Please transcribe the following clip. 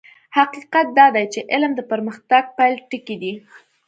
حقيقت دا دی چې علم د پرمختګ پيل ټکی دی.